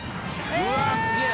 うわすげぇ！